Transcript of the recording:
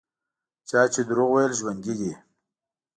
چا چې دروغ ویل ژوندي دي.